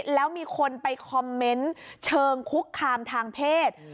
แล้วมีคนไปคอมเมนต์เชิงคุกคามทางเพศ